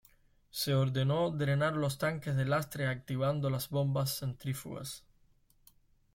Se ordenó drenar los tanques de lastre activando las bombas centrífugas.